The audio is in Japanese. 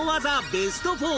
ベスト４